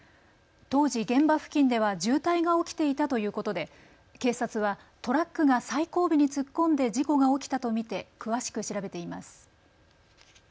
当時、現場付近では渋滞が起きていたということで警察はトラックが最後尾に突っ込んで事故が起きたと見て詳しく調べています。